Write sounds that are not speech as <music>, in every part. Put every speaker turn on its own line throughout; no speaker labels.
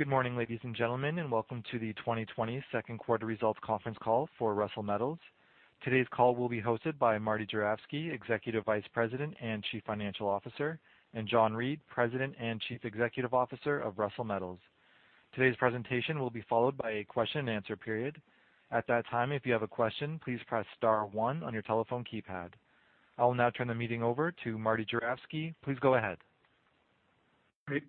Good morning, ladies and gentlemen, and welcome to the 2020 second quarter results conference call for Russel Metals. Today's call will be hosted by Marty Juravsky, Executive Vice President and Chief Financial Officer, and John Reid, President and Chief Executive Officer of Russel Metals. Today's presentation will be followed by a question and answer period. At that time, if you have a question, please press star one on your telephone keypad. I will now turn the meeting over to Marty Juravsky. Please go ahead.
Great.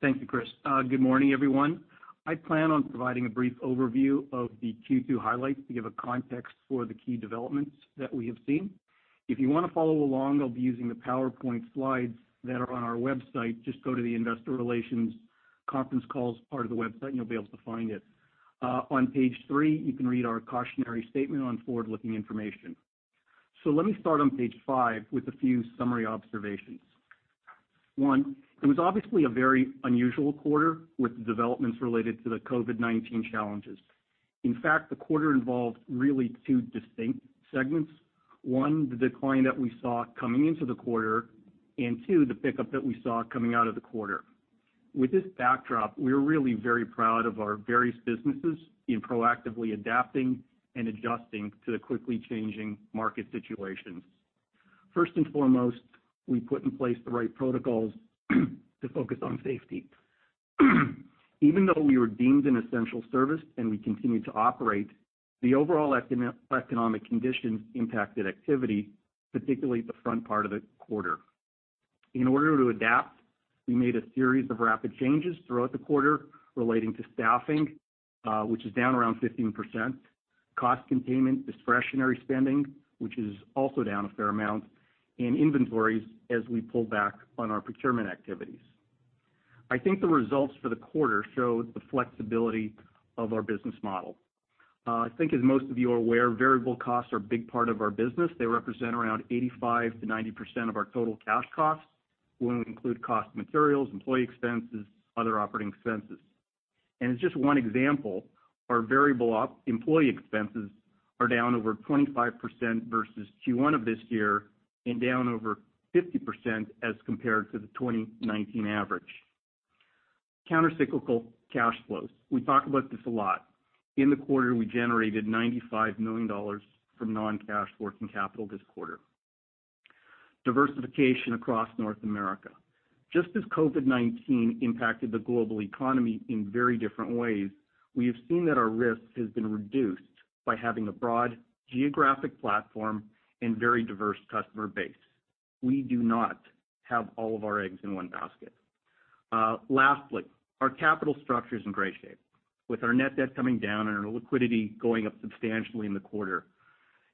Thank you, Chris. Good morning, everyone. I plan on providing a brief overview of the Q2 highlights to give a context for the key developments that we have seen. If you want to follow along, I'll be using the PowerPoint slides that are on our website. Just go to the investor relations conference calls part of the website, you'll be able to find it. On page three, you can read our cautionary statement on forward-looking information. Let me start on page five with a few summary observations. One, it was obviously a very unusual quarter with the developments related to the COVID-19 challenges. In fact, the quarter involved really two distinct segments. One, the decline that we saw coming into the quarter, two, the pickup that we saw coming out of the quarter. With this backdrop, we are really very proud of our various businesses in proactively adapting and adjusting to the quickly changing market situations. First and foremost, we put in place the right protocols to focus on safety. Even though we were deemed an essential service and we continued to operate, the overall economic conditions impacted activity, particularly at the front part of the quarter. In order to adapt, we made a series of rapid changes throughout the quarter relating to staffing, which is down around 15%, cost containment, discretionary spending, which is also down a fair amount, and inventories as we pull back on our procurement activities. I think the results for the quarter show the flexibility of our business model. I think as most of you are aware, variable costs are a big part of our business. They represent around 85%-90% of our total cash costs when we include cost of materials, employee expenses, other operating expenses. As just one example, our variable employee expenses are down over 25% versus Q1 of this year and down over 50% as compared to the 2019 average. Counter-cyclical cash flows. We talk about this a lot. In the quarter, we generated 95 million dollars from non-cash working capital this quarter. Diversification across North America. Just as COVID-19 impacted the global economy in very different ways, we have seen that our risk has been reduced by having a broad geographic platform and very diverse customer base. We do not have all of our eggs in one basket. Lastly, our capital structure is in great shape, with our net debt coming down and our liquidity going up substantially in the quarter.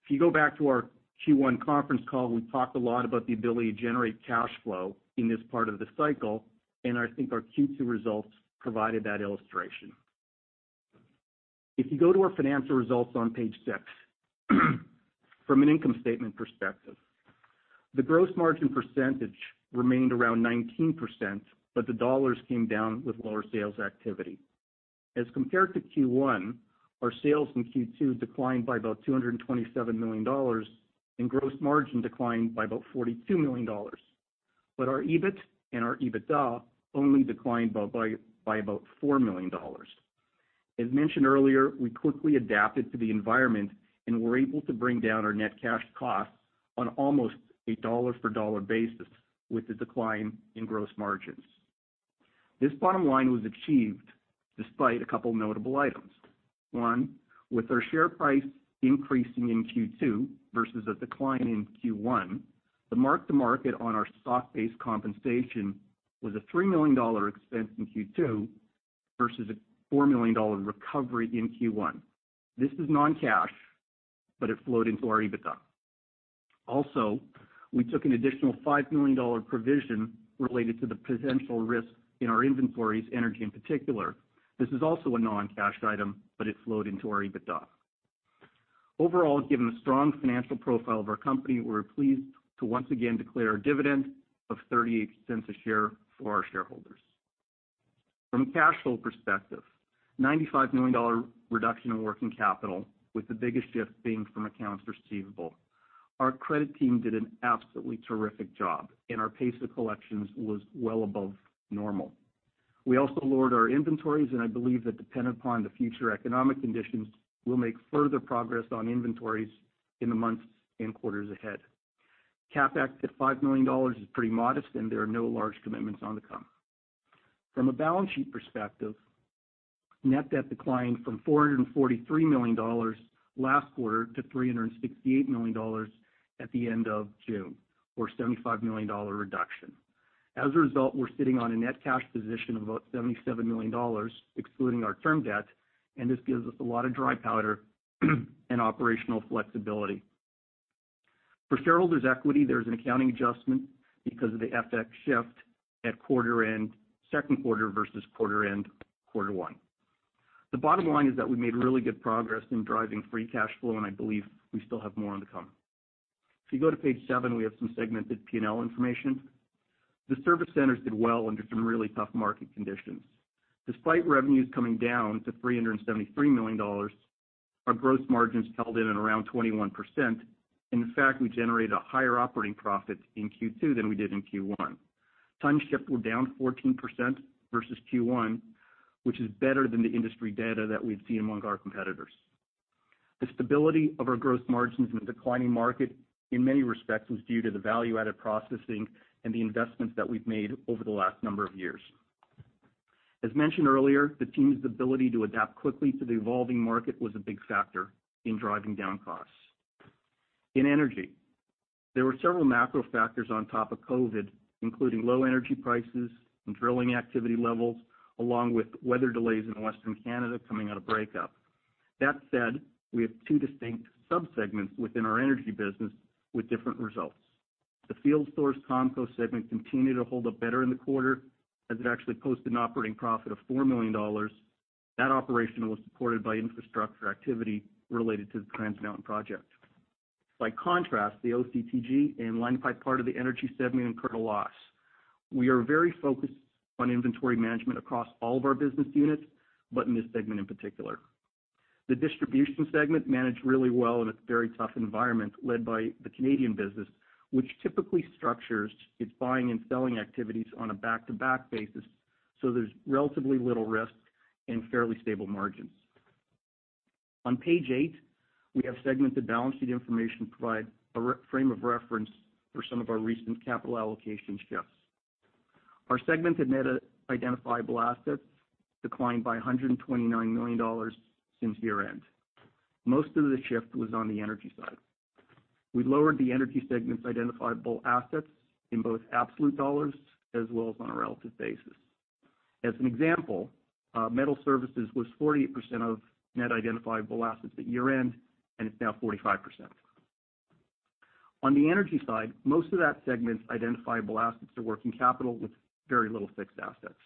You go back to our Q1 conference call, we talked a lot about the ability to generate cash flow in this part of the cycle, and I think our Q2 results provided that illustration. You go to our financial results on page six. From an income statement perspective, the gross margin percentage remained around 19%, but the dollars came down with lower sales activity. As compared to Q1, our sales in Q2 declined by about 227 million dollars, and gross margin declined by about 42 million dollars. Our EBIT and our EBITDA only declined by about 4 million dollars. As mentioned earlier, we quickly adapted to the environment and were able to bring down our net cash costs on almost a dollar-for-dollar basis with the decline in gross margins. This bottom line was achieved despite a couple notable items. With our share price increasing in Q2 versus a decline in Q1, the mark to market on our stock-based compensation was a 3 million dollar expense in Q2 versus a 4 million dollar recovery in Q1. This is non-cash, it flowed into our EBITDA. We took an additional 5 million dollar provision related to the potential risk in our inventories, energy in particular. This is also a non-cash item, it flowed into our EBITDA. Given the strong financial profile of our company, we're pleased to once again declare a dividend of 0.38 a share for our shareholders. From a cash flow perspective, 95 million dollar reduction in working capital, with the biggest shift being from accounts receivable. Our credit team did an absolutely terrific job, our pace of collections was well above normal. We also lowered our inventories. I believe that dependent upon the future economic conditions, we'll make further progress on inventories in the months and quarters ahead. CapEx at 5 million dollars is pretty modest. There are no large commitments on the come. From a balance sheet perspective, net debt declined from 443 million dollars last quarter to 368 million dollars at the end of June, or a 75 million dollar reduction. As a result, we're sitting on a net cash position of about 77 million dollars, excluding our term debt. This gives us a lot of dry powder and operational flexibility. For shareholders' equity, there is an accounting adjustment because of the FX shift at quarter end second quarter versus quarter end quarter one. The bottom line is that we made really good progress in driving free cash flow. I believe we still have more on the come. If you go to page seven, we have some segmented P&L information. The service centers did well under some really tough market conditions. Despite revenues coming down to 373 million dollars, our gross margins held in and around 21%. In fact, we generated a higher operating profit in Q2 than we did in Q1. Tons shipped were down 14% versus Q1, which is better than the industry data that we've seen among our competitors. The stability of our gross margins in a declining market, in many respects, was due to the value-added processing and the investments that we've made over the last number of years. As mentioned earlier, the team's ability to adapt quickly to the evolving market was a big factor in driving down costs. In energy, there were several macro factors on top of COVID-19, including low energy prices and drilling activity levels, along with weather delays in Western Canada coming out of breakup. That said, we have two distinct sub-segments within our energy business with different results. The Energy Field Stores segment continued to hold up better in the quarter, as it actually posted an operating profit of 4 million dollars. That operation was supported by infrastructure activity related to the Trans Mountain project. By contrast, the OCTG and line pipe part of the energy segment incurred a loss. We are very focused on inventory management across all of our business units, but in this segment in particular. The distribution segment managed really well in a very tough environment led by the Canadian business, which typically structures its buying and selling activities on a back-to-back basis, so there's relatively little risk and fairly stable margins. On page eight, we have segmented balance sheet information to provide a frame of reference for some of our recent capital allocation shifts. Our segmented net identifiable assets declined by 129 million dollars since year-end. Most of the shift was on the energy side. We lowered the energy segment's identifiable assets in both absolute dollars as well as on a relative basis. As an example, metal services was 48% of net identifiable assets at year-end, and it's now 45%. On the energy side, most of that segment's identifiable assets are working capital with very little fixed assets.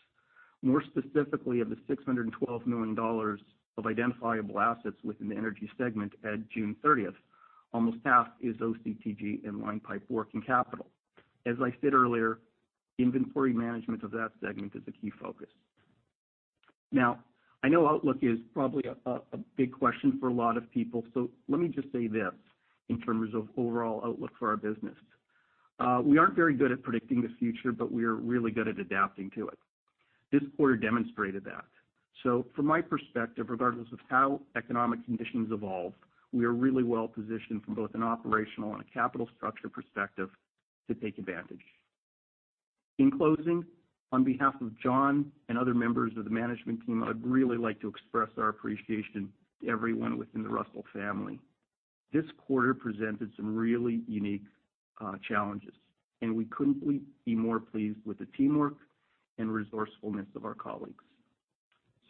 More specifically, of the 612 million dollars of identifiable assets within the energy segment at June 30th, almost half is OCTG and line pipe working capital. As I said earlier, inventory management of that segment is a key focus. I know outlook is probably a big question for a lot of people, so let me just say this in terms of overall outlook for our business. We aren't very good at predicting the future, but we are really good at adapting to it. This quarter demonstrated that. From my perspective, regardless of how economic conditions evolve, we are really well-positioned from both an operational and a capital structure perspective to take advantage. In closing, on behalf of John and other members of the management team, I'd really like to express our appreciation to everyone within the Russel family. This quarter presented some really unique challenges, and we couldn't be more pleased with the teamwork and resourcefulness of our colleagues.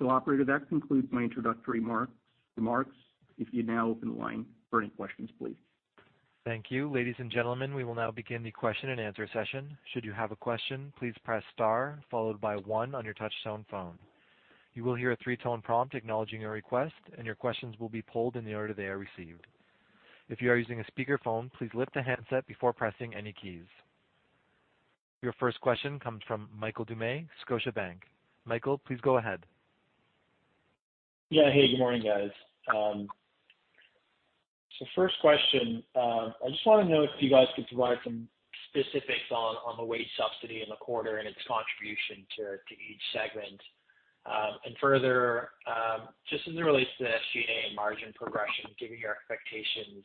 Operator, that concludes my introductory remarks. If you'd now open the line for any questions, please.
Thank you. Ladies and gentlemen, we will now begin the question and answer session. Should you have a question, please press star followed by one on your touchtone phone. You will hear a three-tone prompt acknowledging your request, and your questions will be polled in the order they are received. If you are using a speakerphone, please lift the handset before pressing any keys. Your first question comes from Michael Doumet, Scotiabank. Michael, please go ahead.
Yeah. Hey, good morning, guys. First question, I just want to know if you guys could provide some specifics on the wage subsidy in the quarter and its contribution to each segment. Further, just as it relates to the SG&A margin progression, given your expectations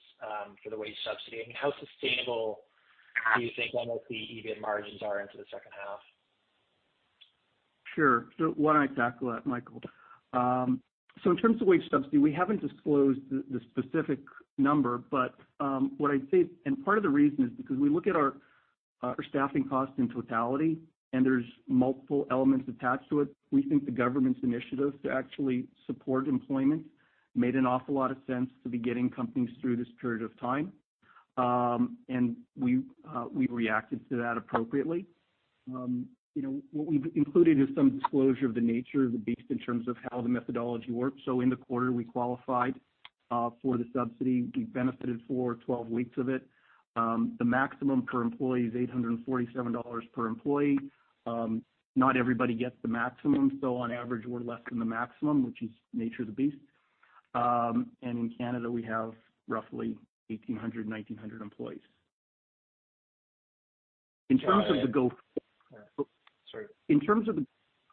for the wage subsidy, I mean, how sustainable do you think metals EBIT margins are into the second half?
Sure. Why don't I tackle that, Michael? In terms of wage subsidy, we haven't disclosed the specific number, but what I'd say, and part of the reason is because we look at our staffing costs in totality, and there's multiple elements attached to it. We think the government's initiative to actually support employment made an awful lot of sense to be getting companies through this period of time. We reacted to that appropriately. What we've included is some disclosure of the nature of the beast in terms of how the methodology works. In the quarter, we qualified for the subsidy. We benefited for 12 weeks of it. The maximum per employee is 847 dollars per employee. Not everybody gets the maximum, so on average, we're less than the maximum, which is nature of the beast. In Canada, we have roughly 1,800, 1,900 employees.
Got it.
<crosstalk> In terms of the.
Sorry.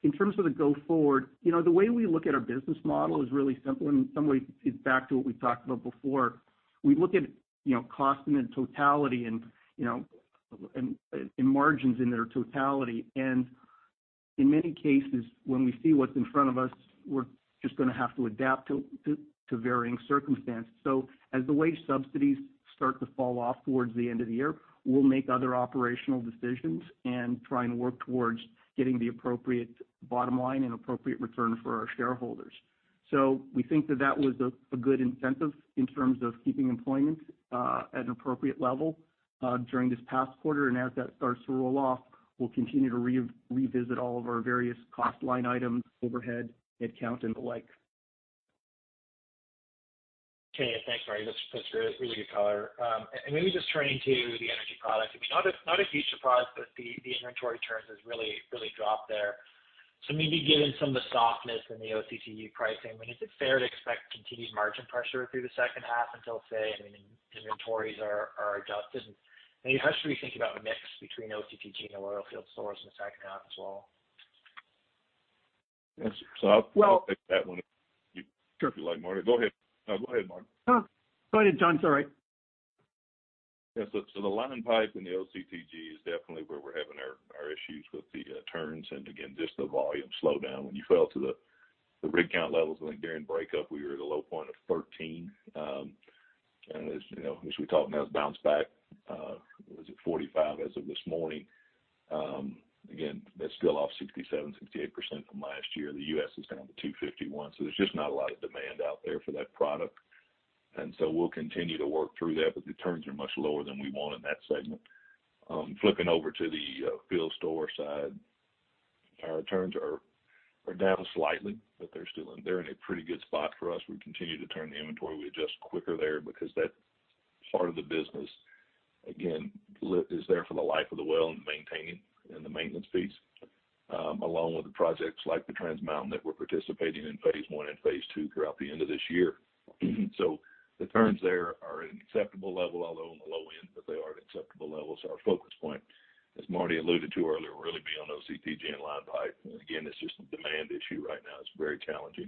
In terms of the go forward, the way we look at our business model is really simple, and in some ways, it's back to what we talked about before. We look at cost in totality, and margins in their totality. In many cases, when we see what's in front of us, we're just going to have to adapt to varying circumstances. As the wage subsidies start to fall off towards the end of the year, we'll make other operational decisions and try and work towards getting the appropriate bottom line and appropriate return for our shareholders. We think that that was a good incentive in terms of keeping employment at an appropriate level during this past quarter. As that starts to roll off, we'll continue to revisit all of our various cost line items, overhead, head count, and the like.
Okay. Thanks, Marty. That's really good color. Maybe just turning to the energy products. I mean, not a huge surprise, but the inventory turns has really dropped there. Maybe given some of the softness in the OCTG pricing, is it fair to expect continued margin pressure through the second half until, say, inventories are adjusted? How should we think about mix between OCTG and Energy Field Stores in the second half as well?
Yes.
Well.
I'll take that one.
Sure.
Like, Marty. Go ahead. No, go ahead, Marty.
No. Go ahead, John. Sorry.
Yeah. The line pipe and the OCTG is definitely where we're having our issues with the turns, and again, just the volume slowdown. When you fell to the rig count levels, I think during breakup we were at a low point of 13. As we talked, now it's bounced back, was at 45 as of this morning. Again, that's still off 67%, 68% from last year. The U.S. is down to 251, there's just not a lot of demand out there for that product. We'll continue to work through that, but the turns are much lower than we want in that segment. Flipping over to the field store side, our turns are down slightly, but they're in a pretty good spot for us. We continue to turn the inventory. We adjust quicker there because that part of the business, again, is there for the life of the well and maintaining and the maintenance piece, along with the projects like the Trans Mountain that we're participating in phase I and phase II throughout the end of this year. The turns there are at an acceptable level, although on the low end, but they are at acceptable levels. Our focus point, as Marty alluded to earlier, will really be on OCTG and line pipe. Again, it's just a demand issue right now. It's very challenging.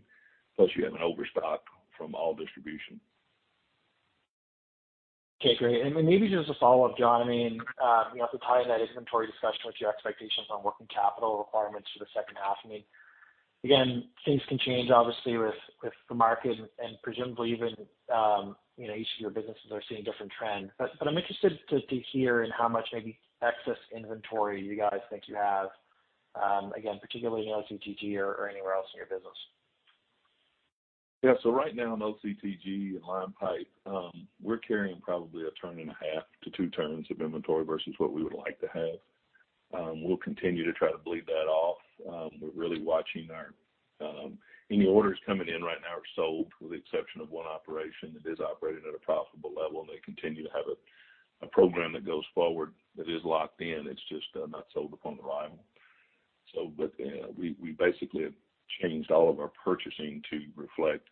Plus, you have an overstock from all distribution.
Okay, great. Maybe just a follow-up, John, to tie that inventory discussion with your expectations on working capital requirements for the second half. Things can change obviously with the market and presumably even each of your businesses are seeing different trends. I'm interested to hear in how much maybe excess inventory you guys think you have, again, particularly in OCTG or anywhere else in your business.
Right now in OCTG and line pipe, we're carrying probably a turn and a half to two turns of inventory versus what we would like to have. We'll continue to try to bleed that off. We're really watching any orders coming in right now are sold, with the exception of one operation that is operating at a profitable level, and they continue to have a program that goes forward that is locked in. It's just not sold upon arrival. We basically have changed all of our purchasing to reflect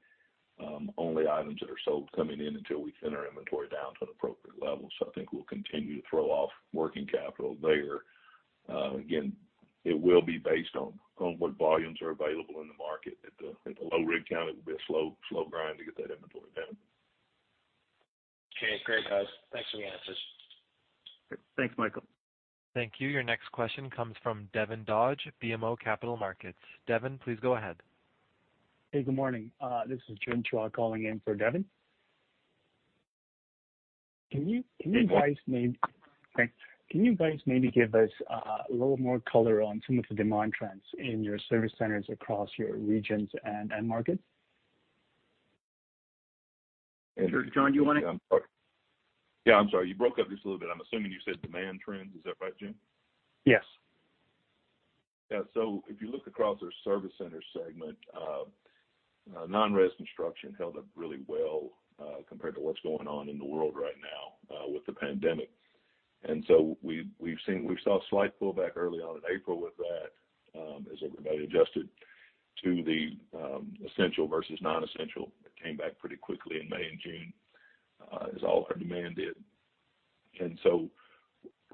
only items that are sold coming in until we thin our inventory down to an appropriate level. I think we'll continue to throw off working capital there. Again, it will be based on what volumes are available in the market. At the low rig count, it will be a slow grind to get that inventory down.
Okay. Great, guys. Thanks for the answers.
Thanks, Michael.
Thank you. Your next question comes from Devin Dodge, BMO Capital Markets. Devin, please go ahead.
Hey, good morning. This is Jim Chua calling in for Devin. Can you guys?
Hey, Jim.
Thanks. Can you guys maybe give us a little more color on some of the demand trends in your service centers across your regions and end markets?
Sure. John.
Yeah. I'm sorry. You broke up just a little bit. I'm assuming you said demand trends. Is that right, Jim?
Yes.
Yeah. If you look across our service center segment, non-res construction held up really well compared to what's going on in the world right now with the pandemic. We saw a slight pullback early on in April with that, as everybody adjusted to the essential versus non-essential. It came back pretty quickly in May and June, as all of our demand did.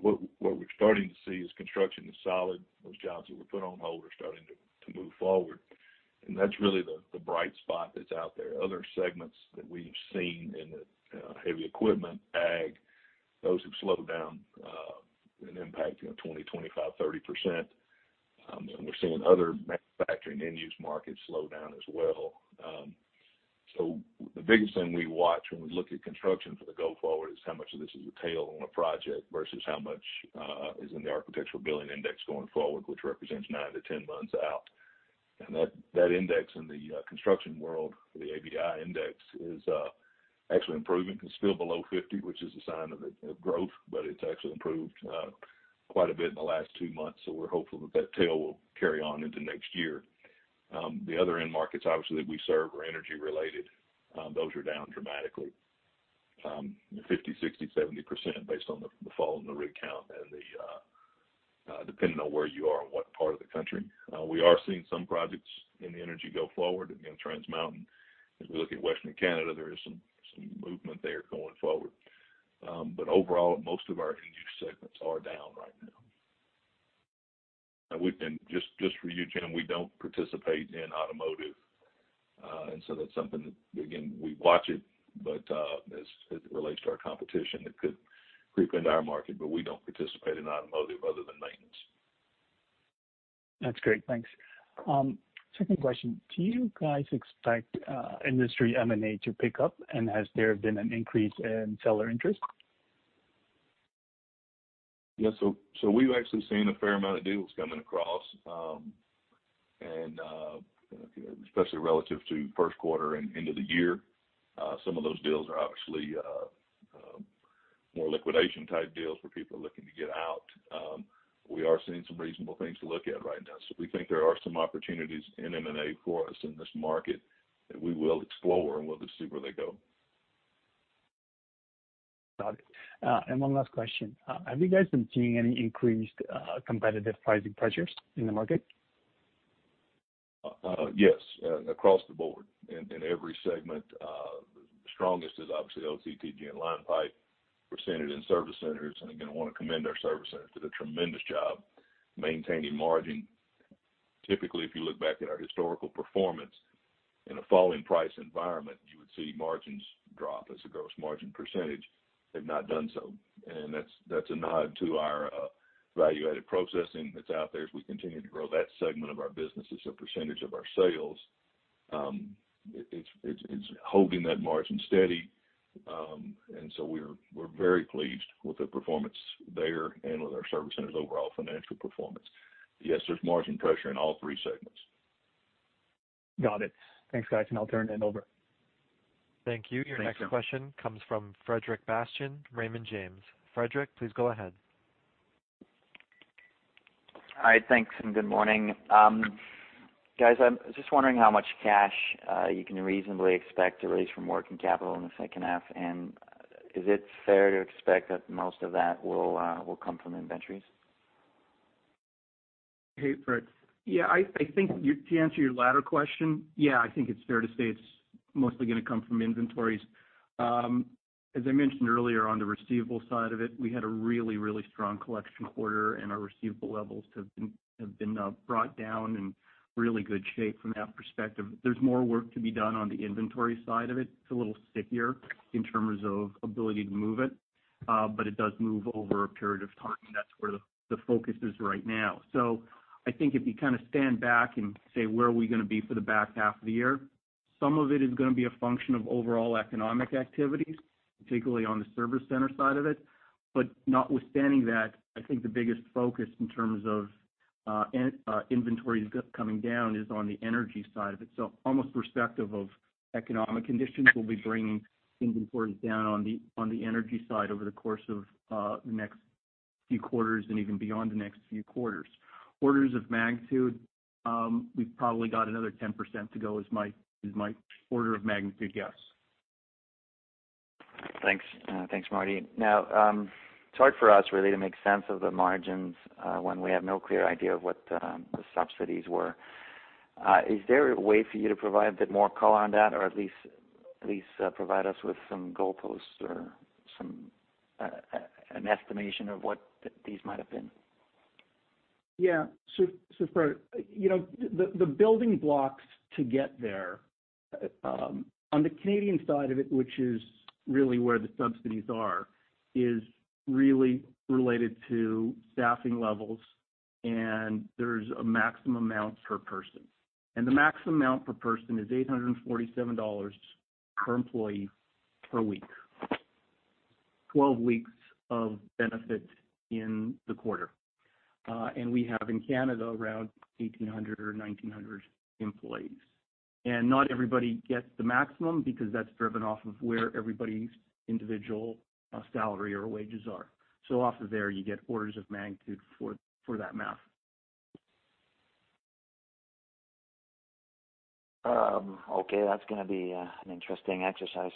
What we're starting to see is construction is solid. Those jobs that were put on hold are starting to move forward, and that's really the bright spot that's out there. Other segments that we've seen in the heavy equipment, ag, those have slowed down, an impact, 20%, 25%, 30%. We're seeing other manufacturing end-use markets slow down as well. The biggest thing we watch when we look at construction for the go forward is how much of this is a tail on a project versus how much is in the Architecture Billings Index going forward, which represents nine to 10 months out. That index in the construction world for ABI index is actually improving. It is still below 50, which is a sign of growth, but it is actually improved quite a bit in the last two months. We are hopeful that tail will carry on into next year. The other end markets, obviously, that we serve are energy related. Those are down dramatically. 50%, 60%, 70% based on the fall in the rig count and depending on where you are and what part of the country. We are seeing some projects in the energy go forward. Trans Mountain, as we look at Western Canada, there is some movement there going forward. Overall, most of our end-use segments are down right now. Just for you, Jim, we don't participate in automotive. That's something that, again, we watch it, but as it relates to our competition, it could creep into our market, but we don't participate in automotive other than maintenance.
That's great. Thanks. Second question, do you guys expect industry M&A to pick up, and has there been an increase in seller interest?
Yeah, we've actually seen a fair amount of deals coming across, especially relative to first quarter and end of the year. Some of those deals are obviously more liquidation type deals where people are looking to get out. We are seeing some reasonable things to look at right now. We think there are some opportunities in M&A for us in this market that we will explore, and we'll just see where they go.
Got it. One last question. Have you guys been seeing any increased competitive pricing pressures in the market?
Yes. Across the board, in every segment. The strongest is obviously OCTG and line pipe. We're seeing it in service centers, and again, I want to commend our service centers. They did a tremendous job maintaining margin. Typically, if you look back at our historical performance, in a falling price environment, you would see margins drop as a gross margin percentage. They've not done so. That's a nod to our value-added processing that's out there as we continue to grow that segment of our business as a percentage of our sales. It's holding that margin steady. We're very pleased with the performance there and with our service centers' overall financial performance. Yes, there's margin pressure in all three segments.
Got it. Thanks, guys, and I'll turn it over.
Thank you. Your next question comes from Frederic Bastien, Raymond James. Frederic, please go ahead.
Hi, thanks, and good morning. Guys, I'm just wondering how much cash you can reasonably expect to release from working capital in the second half. Is it fair to expect that most of that will come from inventories?
Hey, Fred. Yeah, I think to answer your latter question, yeah, I think it's fair to say it's mostly going to come from inventories. As I mentioned earlier, on the receivable side of it, we had a really strong collection quarter, and our receivable levels have been brought down in really good shape from that perspective. There's more work to be done on the inventory side of it. It's a little stickier in terms of ability to move it. It does move over a period of time, and that's where the focus is right now. I think if you kind of stand back and say, where are we going to be for the back half of the year, some of it is going to be a function of overall economic activities, particularly on the service center side of it. Notwithstanding that, I think the biggest focus in terms of inventories coming down is on the energy side of it. Almost irrespective of economic conditions, we'll be bringing inventories down on the energy side over the course of the next few quarters and even beyond the next few quarters. Orders of magnitude, we've probably got another 10% to go is my order of magnitude guess.
Thanks, Marty. It's hard for us really to make sense of the margins when we have no clear idea of what the subsidies were. Is there a way for you to provide a bit more color on that, or at least provide us with some goalposts or an estimation of what these might have been?
Yeah. Fred, the building blocks to get there, on the Canadian side of it, which is really where the subsidies are, is really related to staffing levels, and there's a maximum amount per person. The maximum amount per person is 847 dollars per employee per week. 12 weeks of benefits in the quarter. We have in Canada around 1,800 or 1,900 employees. Not everybody gets the maximum because that's driven off of where everybody's individual salary or wages are. Off of there, you get orders of magnitude for that math.
Okay, that's going to be an interesting exercise.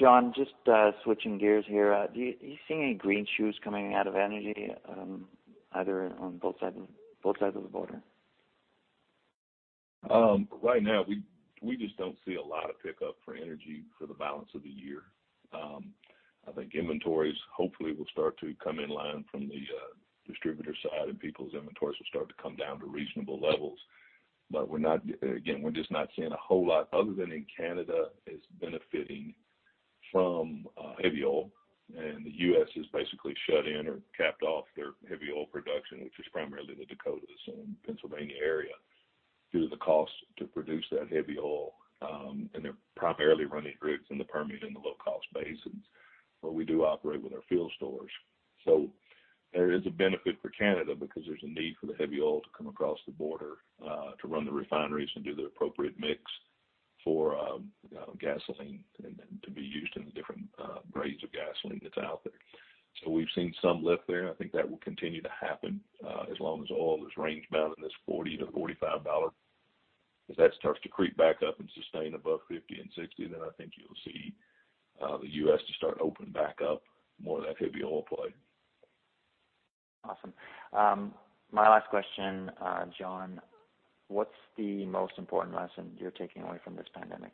John, just switching gears here. Do you see any green shoots coming out of energy, either on both sides of the border?
Right now, we just don't see a lot of pickup for energy for the balance of the year. I think inventories hopefully will start to come in line from the distributor side, and people's inventories will start to come down to reasonable levels. Again, we're just not seeing a whole lot other than Canada is benefiting from heavy oil, and the U.S. has basically shut in or capped off their heavy oil production, which is primarily the Dakotas and Pennsylvania area, due to the cost to produce that heavy oil. They're primarily running rigs in the Permian and the low-cost basins, where we do operate with our field stores. There is a benefit for Canada because there's a need for the heavy oil to come across the border to run the refineries and do the appropriate mix for gasoline, and then to be used in the different grades of gasoline that's out there. We've seen some lift there, and I think that will continue to happen as long as oil is range-bound in this 40-45 dollar. If that starts to creep back up and sustain above 50 and 60, then I think you'll see the U.S. just start opening back up more of that heavy oil play.
Awesome. My last question, John. What's the most important lesson you're taking away from this pandemic?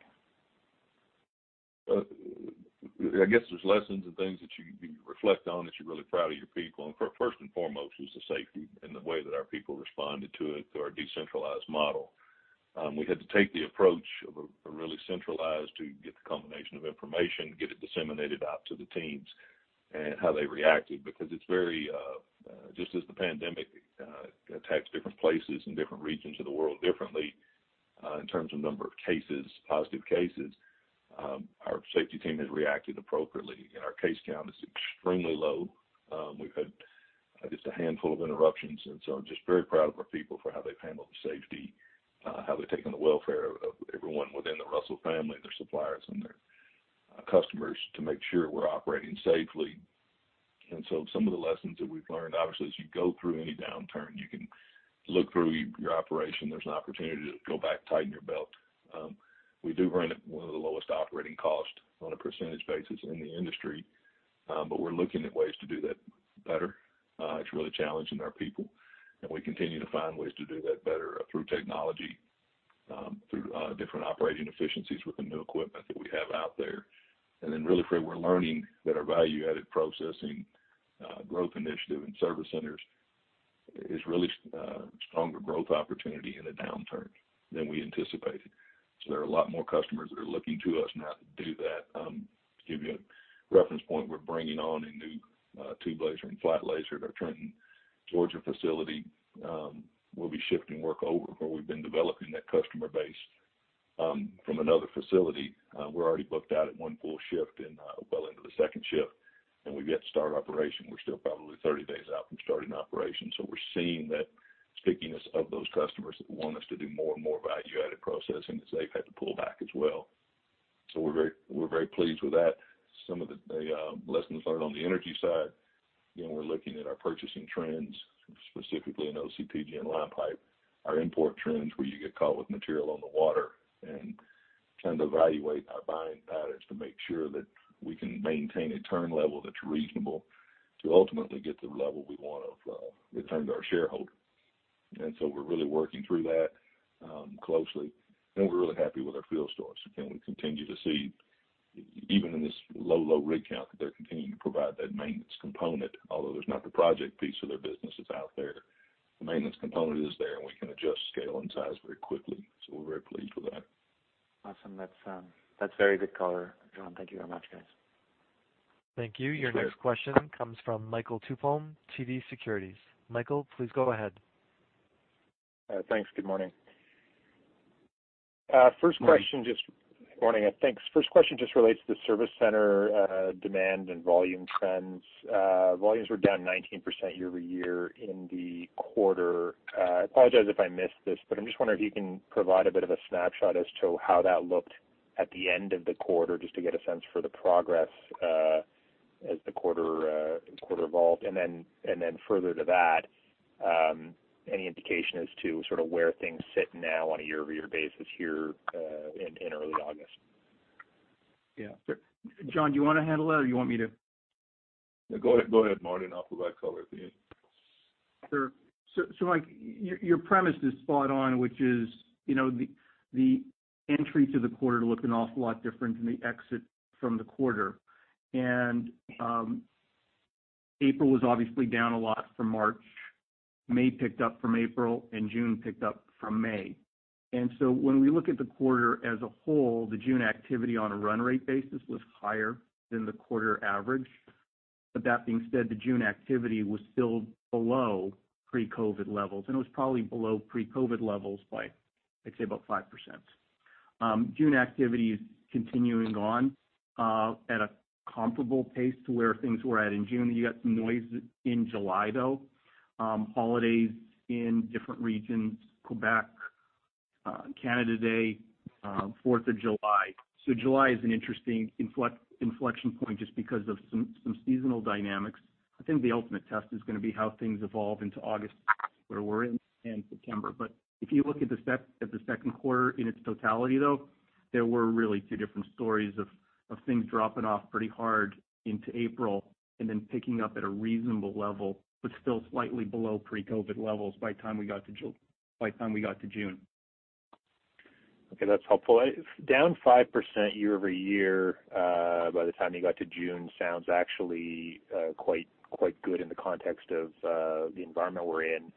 I guess there's lessons and things that you reflect on that you're really proud of your people, and first and foremost was the safety and the way that our people responded to it through our decentralized model. We had to take the approach of a really centralized to get the combination of information, get it disseminated out to the teams and how they reacted because just as the pandemic attacks different places and different regions of the world differently in terms of number of positive cases, our safety team has reacted appropriately, and our case count is extremely low. We've had just a handful of interruptions, and so I'm just very proud of our people for how they've handled the safety, how they've taken the welfare of everyone within the Russel family, their suppliers, and their customers to make sure we're operating safely. Some of the lessons that we've learned, obviously, as you go through any downturn, you can look through your operation. There's an opportunity to go back, tighten your belt. We do run at one of the lowest operating costs on a percentage basis in the industry, but we're looking at ways to do that better. It's really challenging our people, and we continue to find ways to do that better through technology, through different operating efficiencies with the new equipment that we have out there. Really, Fred, we're learning that our value-added processing growth initiative and service centers is really a stronger growth opportunity in a downturn than we anticipated. There are a lot more customers that are looking to us now to do that. To give you a reference point, we're bringing on a new tube laser and flat laser at our Trenton, Georgia facility. We'll be shifting work over where we've been developing that customer base from another facility. We're already booked out at one full shift and well into the second shift, and we've yet to start operation. We're still probably 30 days out from starting operations. We're seeing that stickiness of those customers that want us to do more and more value-added processing as they've had to pull back as well. We're very pleased with that. Some of the lessons learned on the energy side, again, we're looking at our purchasing trends, specifically in OCTG and line pipe, our import trends, where you get caught with material on the water, and trying to evaluate our buying patterns to make sure that we can maintain a turn level that's reasonable to ultimately get to the level we want to return to our shareholder. We're really working through that closely, and we're really happy with our Energy Field Stores. Again, we continue to see, even in this low rig count, that they're continuing to provide that maintenance component. Although there's not the project piece of their businesses out there, the maintenance component is there, and we can adjust scale and size very quickly. We're very pleased with that.
Awesome. That's very good color, John. Thank you very much, guys.
Thank you. Your next question comes from Michael Tupholme, TD Securities. Michael, please go ahead.
Thanks. Good morning.
Morning.
Morning. Thanks. First question just relates to service center demand and volume trends. Volumes were down 19% year-over-year in the quarter. I apologize if I missed this, but I'm just wondering if you can provide a bit of a snapshot as to how that looked at the end of the quarter, just to get a sense for the progress as the quarter evolved. And then further to that, any indication as to where things sit now on a year-over-year basis here in early August?
Yeah. John, do you want to handle that, or you want me to?
No, go ahead, Marty. I'll provide color at the end.
Sure. Mike, your premise is spot on, which is the entry to the quarter looked an awful lot different than the exit from the quarter. April was obviously down a lot from March. May picked up from April, and June picked up from May. When we look at the quarter as a whole, the June activity on a run rate basis was higher than the quarter average. That being said, the June activity was still below pre-COVID-19 levels, and it was probably below pre-COVID-19 levels by, I'd say about 5%. June activity is continuing on at a comparable pace to where things were at in June. You got some noise in July, though. Holidays in different regions, Quebec, Canada Day, 4th of July. July is an interesting inflection point just because of some seasonal dynamics. I think the ultimate test is going to be how things evolve into August, where we're in, and September. If you look at the second quarter in its totality, though, there were really two different stories of things dropping off pretty hard into April and then picking up at a reasonable level, but still slightly below pre-COVID levels by the time we got to June.
Okay. That's helpful. Down 5% year-over-year by the time you got to June sounds actually quite good in the context of the environment we're in.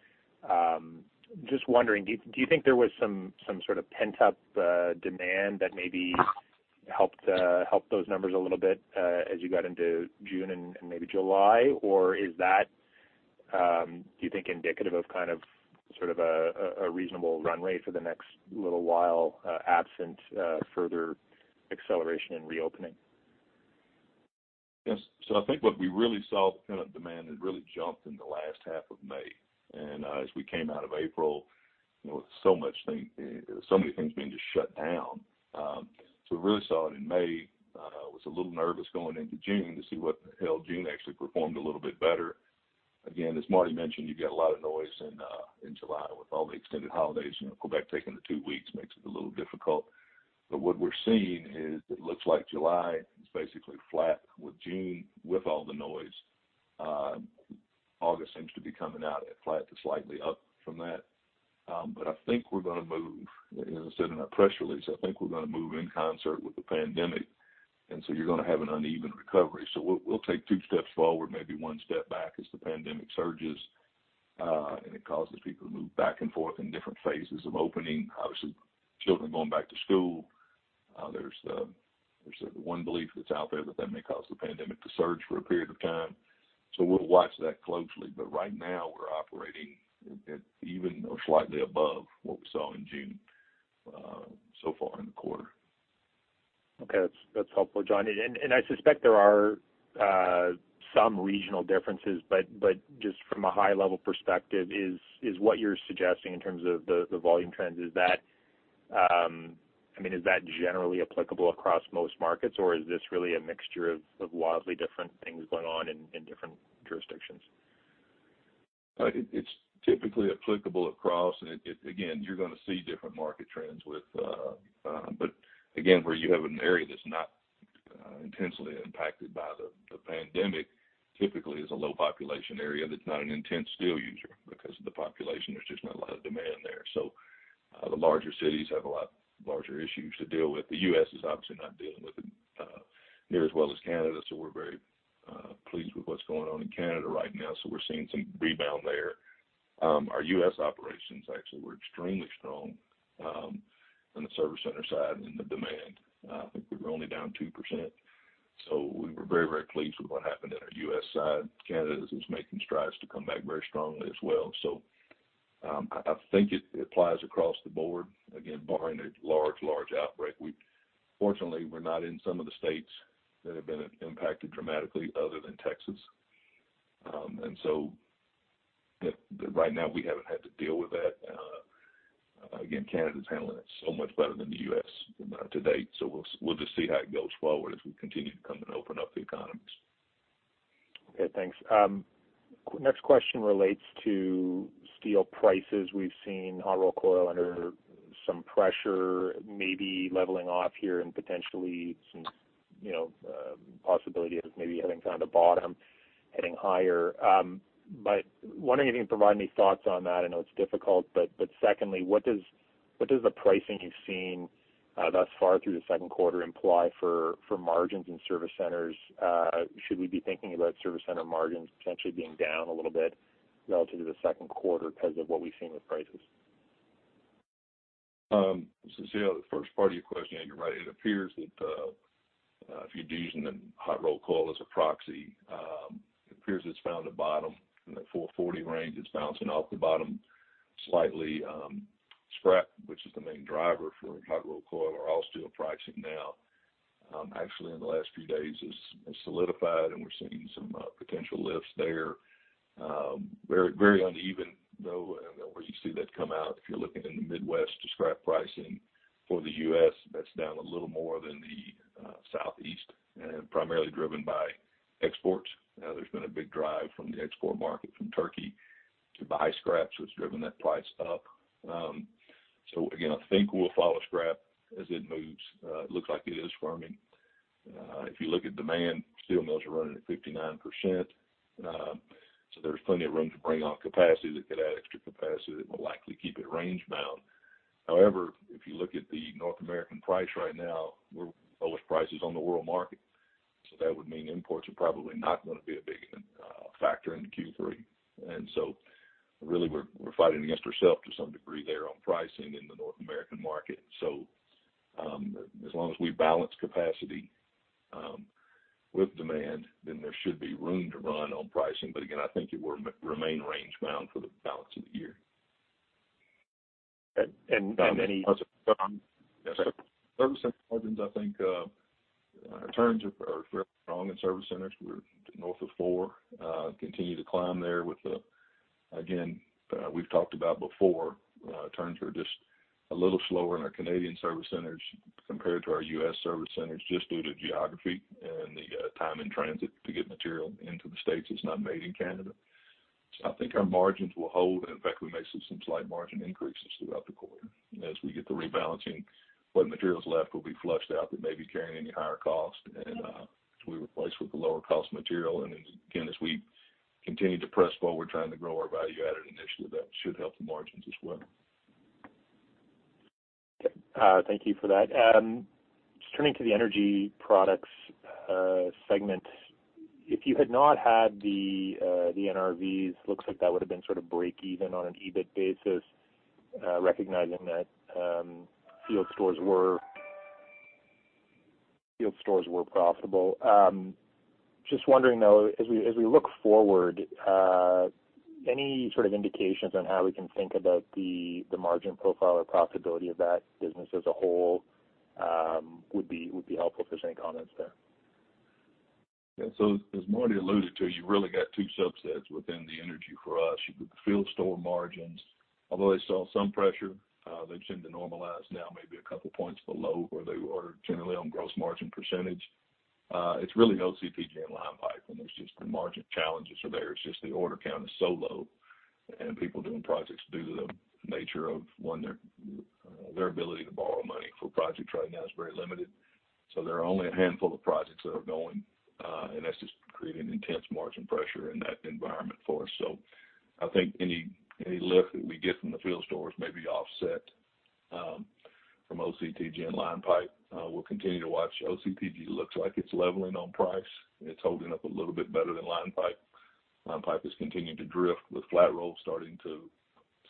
Just wondering, do you think there was some sort of pent-up demand that maybe helped those numbers a little bit as you got into June and maybe July? Is that, do you think, indicative of a reasonable runway for the next little while, absent further acceleration and reopening?
Yes. I think what we really saw, the pent-up demand had really jumped in the last half of May. As we came out of April, with so many things being just shut down. We really saw it in May. Was a little nervous going into June to see what held. June actually performed a little bit better. Again, as Marty mentioned, you get a lot of noise in July with all the extended holidays. Quebec taking the two weeks makes it a little difficult. What we're seeing is it looks like July is basically flat with June, with all the noise. August seems to be coming out at flat to slightly up from that. I think we're going to move, as I said in our press release, I think we're going to move in concert with the pandemic, and so you're going to have an uneven recovery. We'll take two steps forward, maybe one step back as the pandemic surges, and it causes people to move back and forth in different phases of opening. Obviously, children going back to school. There's the one belief that's out there that that may cause the pandemic to surge for a period of time. We'll watch that closely. Right now, we're operating at even or slightly above what we saw in June so far in the quarter.
Okay. That's helpful, John. I suspect there are some regional differences, but just from a high-level perspective, I mean, is that generally applicable across most markets, or is this really a mixture of wildly different things going on in different jurisdictions?
It's typically applicable across, and again, you're going to see different market trends. Again, where you have an area that's not intensely impacted by the pandemic, typically is a low population area that's not an intense steel user. Because of the population, there's just not a lot of demand there. The larger cities have a lot larger issues to deal with. The U.S. is obviously not dealing with it near as well as Canada, so we're very pleased with what's going on in Canada right now. We're seeing some rebound there. Our U.S. operations actually were extremely strong on the service center side and the demand. I think we were only down 2%. We were very pleased with what happened in our U.S. side. Canada is just making strides to come back very strongly as well. I think it applies across the board. Again, barring a large outbreak. Fortunately, we're not in some of the states that have been impacted dramatically, other than Texas. Right now, we haven't had to deal with that. Again, Canada's handling it so much better than the U.S. to date, so we'll just see how it goes forward as we continue to come and open up the economies.
Okay, thanks. Next question relates to steel prices. We've seen hot rolled coil under some pressure, maybe leveling off here and potentially some possibility of maybe having found a bottom, heading higher. Wondering if you can provide any thoughts on that. I know it's difficult, but secondly, what does the pricing you've seen thus far through the second quarter imply for margins in service centers? Should we be thinking about service center margins potentially being down a little bit relative to the second quarter because of what we've seen with prices?
The first part of your question, and you're right, if you're using the hot rolled coil as a proxy, it appears it's found a bottom in that 440 range. It's bouncing off the bottom slightly. Scrap, which is the main driver for hot rolled coil or all steel pricing now, actually in the last few days has solidified, and we're seeing some potential lifts there. Very uneven, though, where you see that come out. If you're looking in the Midwest to scrap pricing for the U.S., that's down a little more than the Southeast, and primarily driven by exports. There's been a big drive from the export market from Turkey to buy scrap, so it's driven that price up. Again, I think we'll follow scrap as it moves. It looks like it is firming. If you look at demand, steel mills are running at 59%. There's plenty of room to bring on capacity. They could add extra capacity that will likely keep it range-bound. However, if you look at the North American price right now, we're the lowest prices on the world market. That would mean imports are probably not going to be a big factor into Q3. Really we're fighting against ourselves to some degree there on pricing in the North American market. As long as we balance capacity with demand, then there should be room to run on pricing. Again, I think it will remain range-bound for the balance of the year. <crosstalk> Service center margins, I think returns are fairly strong in service centers. We're north of four. Continue to climb there. Again, we've talked about before, turns are just a little slower in our Canadian service centers compared to our U.S. service centers, just due to geography and the time in transit to get material into the States that's not made in Canada. I think our margins will hold, and in fact, we may see some slight margin increases throughout the quarter as we get to rebalancing. What material's left will be flushed out that may be carrying any higher cost, and as we replace with the lower cost material. Again, as we continue to press forward trying to grow our value-added initiative, that should help the margins as well.
Okay. Thank you for that. Just turning to the energy products segment. If you had not had the NRVs, looks like that would've been sort of breakeven on an EBIT basis, recognizing that field stores were profitable. Just wondering, though, as we look forward, any sort of indications on how we can think about the margin profile or profitability of that business as a whole would be helpful. Appreciate any comments there.
Yeah. As Marty alluded to, you really got two subsets within the energy for us. You got the field store margins. Although they saw some pressure, they tend to normalize now maybe a couple points below where they were generally on gross margin percentage. It's really OCTG and line pipe, and there's just the margin challenges are there. It's just the order count is so low, and people doing projects due to the nature of, one, their ability to borrow money for projects right now is very limited. There are only a handful of projects that are going, and that's just creating intense margin pressure in that environment for us. I think any lift that we get from the field stores may be offset from OCTG and line pipe. We'll continue to watch. OCTG looks like it's leveling on price. It's holding up a little bit better than line pipe. Line pipe is continuing to drift with flat roll starting to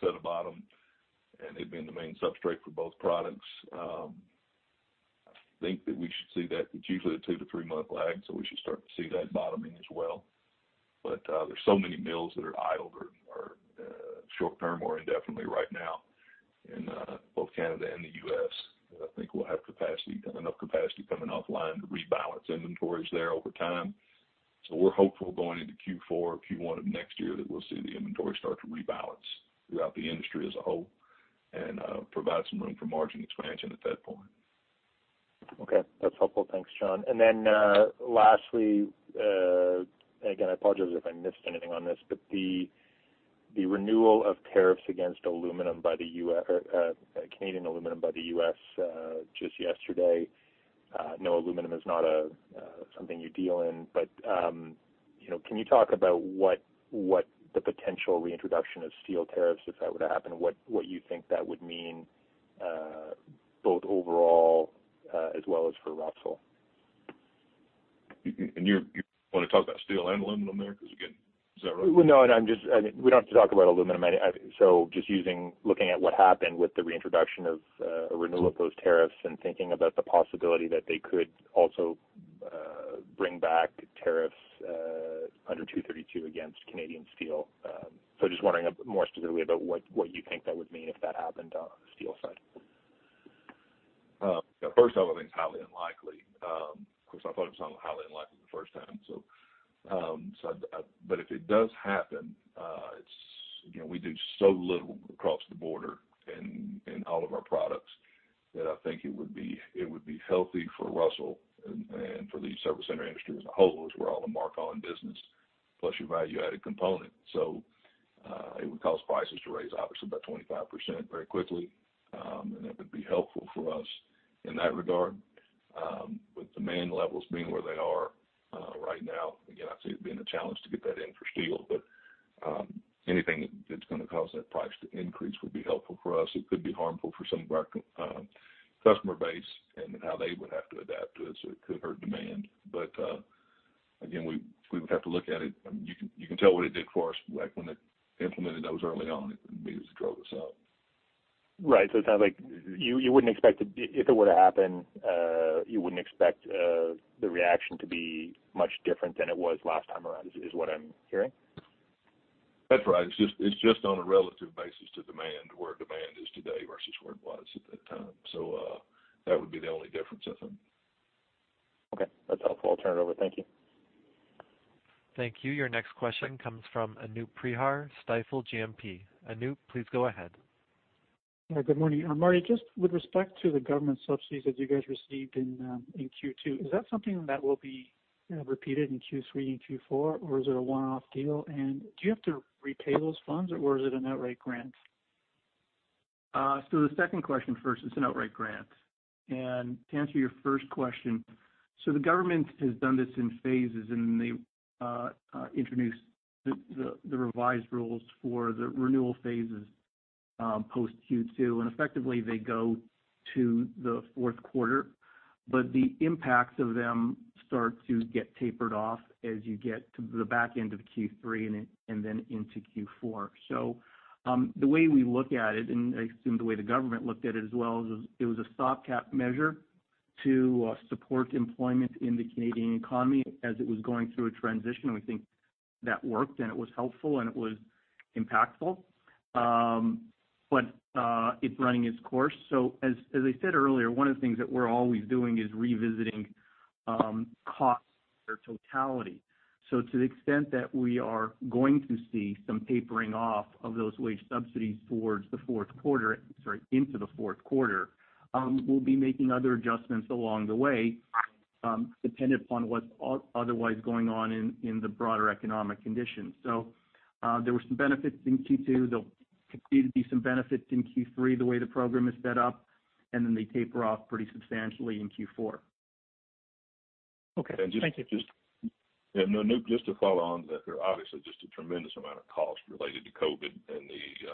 set a bottom, and they've been the main substrate for both products. I think that we should see that. It's usually a two to three-month lag, so we should start to see that bottoming as well. There's so many mills that are idled or short-term or indefinitely right now in both Canada and the U.S., that I think we'll have offline to rebalance inventories there over time. We're hopeful going into Q4, Q1 of next year, that we'll see the inventory start to rebalance throughout the industry as a whole and provide some room for margin expansion at that point.
Okay. That's helpful. Thanks, John. Then, lastly, again, I apologize if I missed anything on this, but the renewal of tariffs against Canadian aluminum by the U.S. just yesterday. I know aluminum is not something you deal in, can you talk about what the potential reintroduction of steel tariffs, if that were to happen, what you think that would mean, both overall, as well as for Russel?
You want to talk about steel and aluminum there? Again, is that right?
No, we don't have to talk about aluminum. Just looking at what happened with the reintroduction of a renewal of those tariffs and thinking about the possibility that they could also bring back tariffs under 232 against Canadian steel. Just wondering a bit more specifically about what you think that would mean if that happened on the steel side.
I would think it's highly unlikely. Of course, I thought it was highly unlikely the first time. If it does happen, again, we do so little across the border in all of our products that I think it would be healthy for Russel and for the service center industry as a whole as we're all a mark-on business, plus your value-added component. It would cause prices to raise obviously about 25% very quickly. That would be helpful for us in that regard. With demand levels being where they are right now, again, I'd say it'd be a challenge to get that in for steel, but anything that's going to cause that price to increase would be helpful for us. It could be harmful for some of our customer base and how they would have to adapt to it, so it could hurt demand. Again, we would have to look at it. You can tell what it did for us, like when they implemented those early on, it immediately drove us up.
Right. It sounds like if it were to happen, you wouldn't expect the reaction to be much different than it was last time around, is what I'm hearing?
That's right. It's just on a relative basis to demand, where demand is today versus where it was at that time. That would be the only difference, I think.
Okay. That's helpful. I'll turn it over. Thank you.
Thank you. Your next question comes from Anoop Prihar, Stifel GMP. Anoop, please go ahead.
Good morning. Marty, just with respect to the government subsidies that you guys received in Q2, is that something that will be repeated in Q3 and Q4, or is it a one-off deal? Do you have to repay those funds, or is it an outright grant?
The second question first, it's an outright grant. To answer your first question, the government has done this in phases, they introduced the revised rules for the renewal phases, post Q2, effectively they go to the fourth quarter. The impacts of them start to get tapered off as you get to the back end of Q3 into Q4. The way we look at it, I assume the way the government looked at it as well, is it was a stopgap measure to support employment in the Canadian economy as it was going through a transition. We think that worked, it was helpful, it was impactful. It's running its course. As I said earlier, one of the things that we're always doing is revisiting costs in their totality. To the extent that we are going to see some tapering off of those wage subsidies towards the fourth quarter, sorry, into the fourth quarter, we'll be making other adjustments along the way, dependent upon what's otherwise going on in the broader economic conditions. There were some benefits in Q2. There'll continue to be some benefits in Q3, the way the program is set up, and then they taper off pretty substantially in Q4.
Okay. Thank you.
Anoop, just to follow on, that there are obviously just a tremendous amount of costs related to COVID-19 and the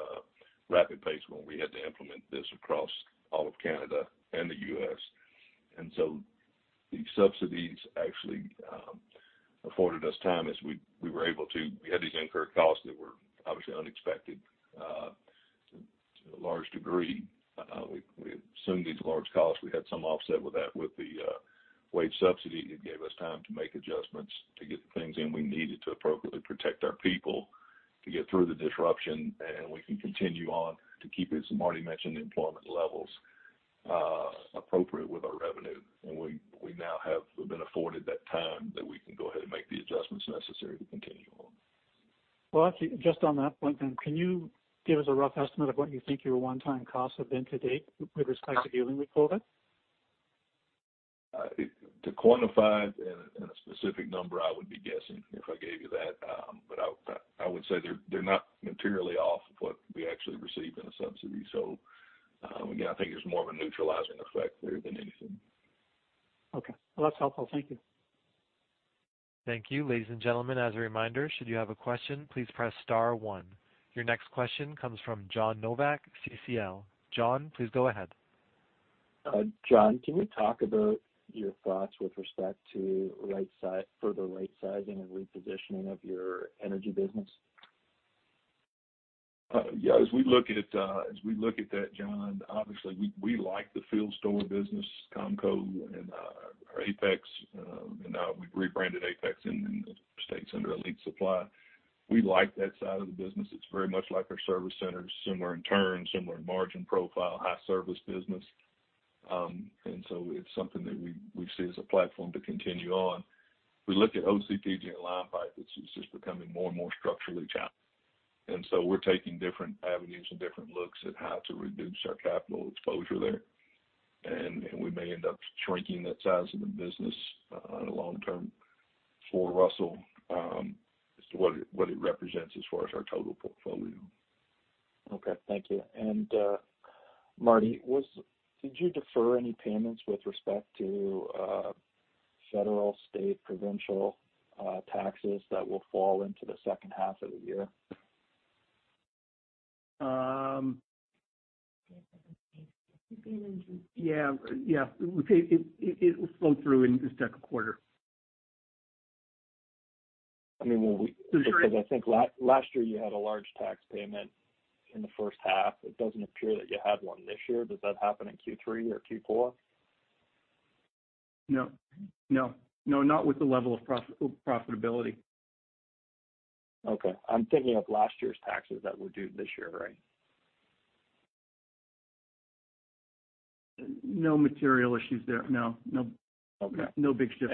rapid pace when we had to implement this across all of Canada and the U.S. These subsidies actually afforded us time as we had these incurred costs that were obviously unexpected to a large degree. We assumed these large costs. We had some offset with that, with the wage subsidy. It gave us time to make adjustments to get the things in we needed to appropriately protect our people to get through the disruption, and we can continue on to keep, as Marty mentioned, the employment levels appropriate with our revenue. We now have been afforded that time that we can go ahead and make the adjustments necessary to continue on.
Well, actually, just on that point then, can you give us a rough estimate of what you think your one-time costs have been to date with this type of dealing with COVID?
To quantify it in a specific number, I would be guessing if I gave you that. I would say they're not materially off of what we actually received in a subsidy. Again, I think there's more of a neutralizing effect there than anything.
Okay. Well, that's helpful. Thank you.
Thank you. Ladies and gentlemen, as a reminder, should you have a question, please press star one. Your next question comes from John Novak, CCL. John, please go ahead.
John, can you talk about your thoughts with respect to further right-sizing and repositioning of your energy business?
Yeah. As we look at that, John, obviously we like the field store business, Comco and our Apex. We've rebranded Apex in the U.S. under Elite Supply. We like that side of the business. It's very much like our service centers, similar in turn, similar in margin profile, high service business. It's something that we see as a platform to continue on. We look at OCTG and line pipe, it's just becoming more and more structurally challenged. We're taking different avenues and different looks at how to reduce our capital exposure there. We may end up shrinking that size of the business on a long term for Russel, as to what it represents as far as our total portfolio.
Okay. Thank you. Marty, did you defer any payments with respect to federal, state, provincial taxes that will fall into the second half of the year?
Yeah. It will flow through in the second quarter.
I think last year you had a large tax payment in the first half. It doesn't appear that you had one this year. Does that happen in Q3 or Q4?
No. Not with the level of profitability.
Okay. I'm thinking of last year's taxes that were due this year, right?
No material issues there, no.
Okay.
No big shift,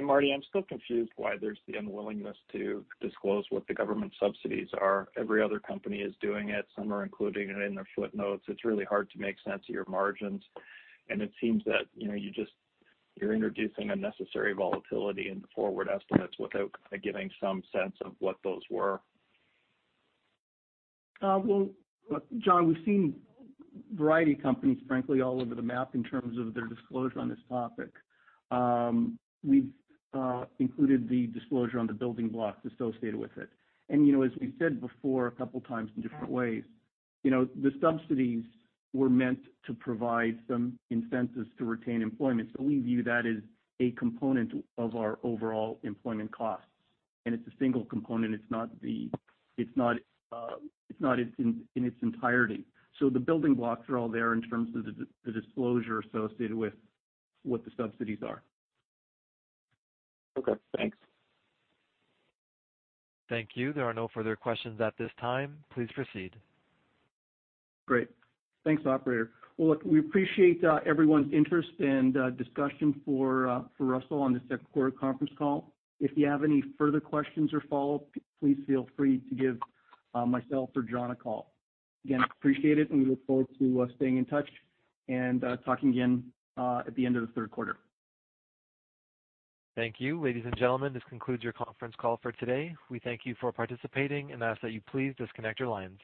no.
Marty, I'm still confused why there's the unwillingness to disclose what the government subsidies are. Every other company is doing it. Some are including it in their footnotes. It's really hard to make sense of your margins. It seems that you're introducing unnecessary volatility in the forward estimates without giving some sense of what those were.
Look, John, we've seen a variety of companies, frankly, all over the map in terms of their disclosure on this topic. We've included the disclosure on the building blocks associated with it. As we've said before a couple of times in different ways, the subsidies were meant to provide some incentives to retain employment. We view that as a component of our overall employment costs, and it's a single component. It's not in its entirety. The building blocks are all there in terms of the disclosure associated with what the subsidies are.
Okay, thanks.
Thank you. There are no further questions at this time. Please proceed.
Great. Thanks, operator. Well, look, we appreciate everyone's interest and discussion for Russel on the second quarter conference call. If you have any further questions or follow-ups, please feel free to give myself or John a call. Again, appreciate it, and we look forward to staying in touch and talking again at the end of the third quarter.
Thank you. Ladies and gentlemen, this concludes your conference call for today. We thank you for participating and ask that you please disconnect your lines.